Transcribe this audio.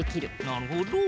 なるほど！